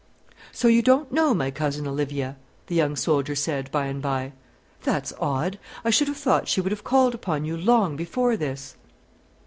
"So you don't know my cousin Olivia?" the young soldier said by and by. "That's odd! I should have thought she would have called upon you long before this."